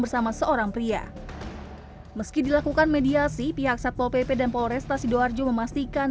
bersama seorang pria meski dilakukan mediasi pihak satpol pp dan polresta sidoarjo memastikan